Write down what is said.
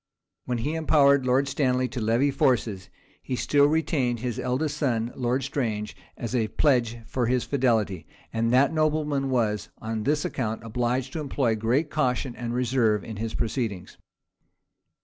When he empowered Lord Stanley to levy forces, he still retained his eldest son, Lord Strange, as a pledge for his fidelity; and that nobleman was, on this account, obliged to employ great caution and reserve in his proceedings.